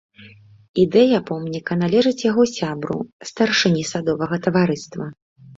Ідэя помніка належыць яго сябру, старшыні садовага таварыства.